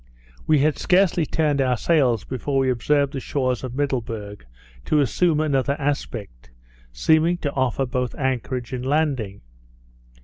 We had scarcely turned our sails before we observed the shores of Middleburg to assume another aspect, seeming to offer both anchorage and landing.